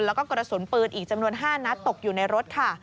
แล้วก็กระสุนปืนอีกจำนวน๕นัดตกอยู่ในรถค่ะ